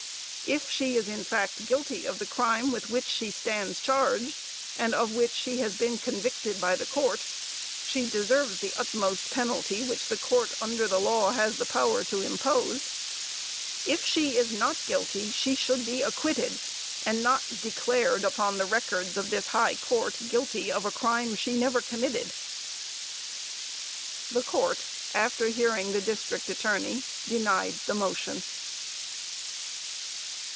If she is in fact guilty of the crime with which she stands charged, and of which she has been convicted by the court, she deserves the utmost penalty which the court under the law has power to impose; if she is not guilty she should be acquitted, and not declared upon the records of this high court guilty of a crime she never committed. The court after hearing the district attorney, denied the motion.